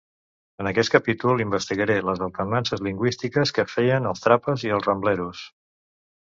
En aquest capítol investigaré les alternances lingüístiques que feien els Trapas i els Rambleros.